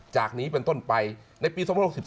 จากนี้เป็นต้นไปในปี๒๐๖๒